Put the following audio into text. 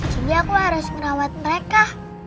jadi aku harus ngerawat mereka